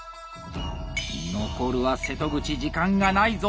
残るは瀬戸口時間がないぞ！